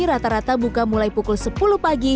rata rata buka mulai pukul sepuluh pagi